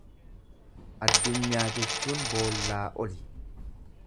Addunyaa jechuun boollaa oli.